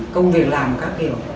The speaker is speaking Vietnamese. công việc làm các kiểu